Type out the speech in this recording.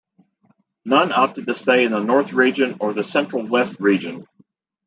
None opted to stay in the North Region or the Central-West Region.